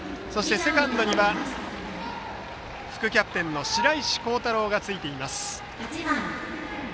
セカンドには副キャプテンの白石航太郎がついています。